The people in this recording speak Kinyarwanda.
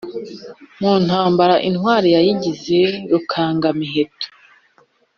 Mu ntambara intwari zayigize Rukangamiheto